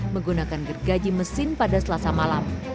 menggunakan gergaji mesin pada selasa malam